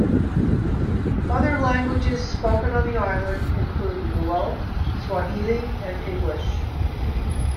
Other languages spoken on the island include Luo, Swahili, and English.